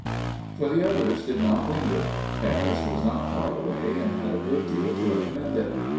For the others did not linger. Paris was not far away, and had a good deal to recommend it.